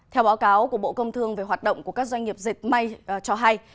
theo báo cáo của bộ công thương về hoạt động của các doanh nghiệp dệt may cho hay